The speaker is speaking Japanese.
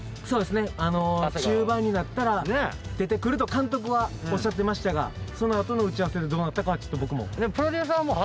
そうですね中盤になったら出て来ると監督はおっしゃってましたがその後の打ち合わせでどうなったかはちょっと僕も。